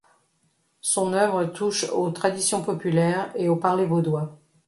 Son œuvre touche aux traditions populaires et au parler vaudois.